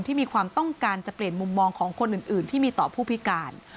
ที่มีความต้องการจะเปลี่ยนมุมมองของคนอื่นที่มีต่อผู้พิการ